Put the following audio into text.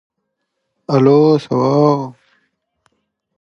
ګومان کېږي، شبح سپوږمۍ له دوړو جوړې شوې وي.